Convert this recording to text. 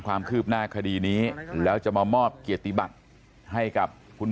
ความคืบหน้าคดีนี้แล้วจะมามอบเกียรติบัติให้กับคุณ